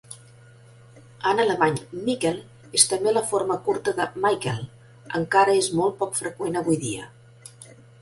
En alemany, "Michel" és també la forma curta de Michael, encara és molt poc freqüent avui en dia.